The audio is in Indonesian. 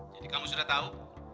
jadi kamu sudah tahu